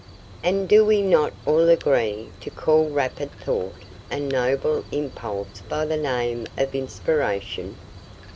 And do we not all agree to call rapid thought and noble impulse by the name of inspiration?